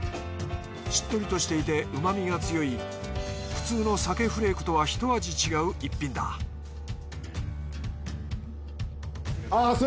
しっとりとしていてうまみが強い普通のさけフレークとはひと味違う逸品だあぁ